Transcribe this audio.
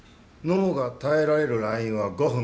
脳が耐えられるラインは５分。